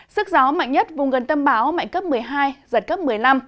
sức gió mạnh nhất vùng gần tâm bão mạnh cấp một mươi hai giật cấp một mươi năm